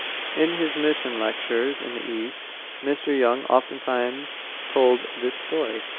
In his mission lectures in the East, Mr. Young oftentimes told this story.